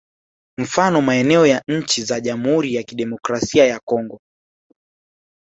Mfano maeneo ya nchi za Jamhuri ya Kidemokrasia ya Congo